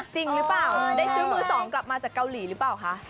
จริงหรือเปล่าได้ซื้อมือสองกลับมาจากเกาหลีหรือเปล่าคะ